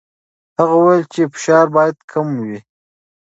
هغه وویل چې فشار باید کم وي.